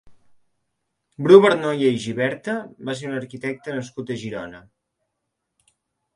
Bru Barnoya i Xiberta va ser un arquitecte nascut a Girona.